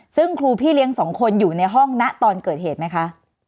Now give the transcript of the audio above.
ซึ่งครูพี่เลี้ยงสองคนอยู่ในห้องนะตอนเกิดเหตุไหมคะ